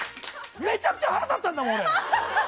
めちゃくちゃ腹立ったんだもん、俺。